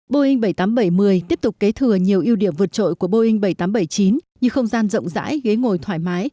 boeing bảy trăm tám mươi bảy một mươi tiếp tục kế thừa nhiều ưu điểm vượt trội của boeing bảy trăm tám mươi bảy chín như không gian rộng rãi ghế ngồi thoải mái